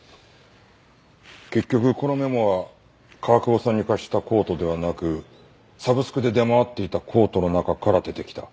結局このメモは川久保さんに貸したコートではなくサブスクで出回っていたコートの中から出てきた。